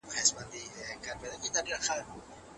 تقدیر هڅه نه ردوي.